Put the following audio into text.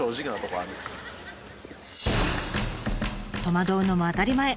戸惑うのも当たり前。